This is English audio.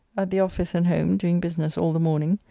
At the office and home, doing business all the morning.